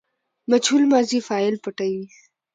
مجهول ماضي فاعل پټوي.